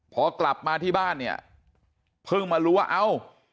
พอกลับมาที่บ้านเนี่ยเพิ่งมารู้ว่าเอ้า